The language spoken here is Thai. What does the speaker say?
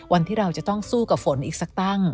วันที่เราจะต้องสู้กับฝนอีกสักตั้ง